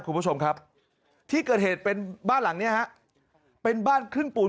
คุณผู้ชมครับที่เกิดเหตุเป็นบ้านหลังเนี้ยฮะเป็นบ้านครึ่งปูน